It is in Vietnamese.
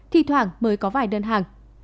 thi thoảng mới có vài đơn hàng